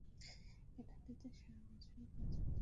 এই নদীতে সারা বছরই পর্যাপ্ত পানি থাকে।